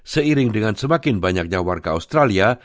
seiring dengan semakin banyaknya warga australia